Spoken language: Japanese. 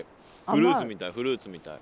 フルーツみたいフルーツみたい。